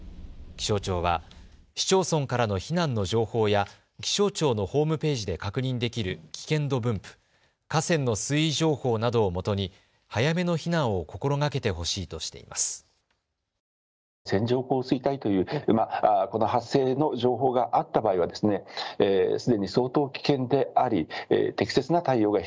気象庁は市町村からの避難の情報や気象庁のホームページで確認できる危険度分布、河川の水位情報などをもとに早めの避難を心がけてほしいとしています。